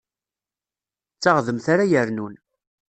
D taɣdemt ara yernun.